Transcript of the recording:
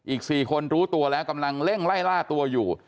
อีก๔คนรู้ตัวแล้วกำลังเร่งไล่ล่าตัวอยู่